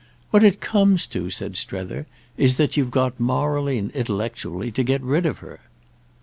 "What it comes to," said Strether, "is that you've got morally and intellectually to get rid of her."